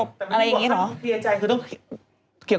เคลียร์ใจคือต้อง